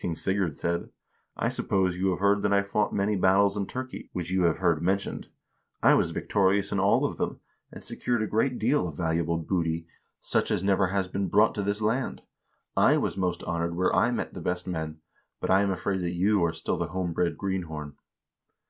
King Sigurd said: 'I suppose you have heard that I fought many battles in Turkey, which you have heard mentioned. I was victorious in all of them, and secured a 326 HISTORY OF THE NORWEGIAN PEOPLE great deal of valuable booty, such as never has been brought to this land. I was most honored where I met the best men, but I am afraid that you are still the home bred greenhorn.'